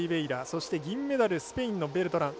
そして、銀メダルスペインのベルトラン。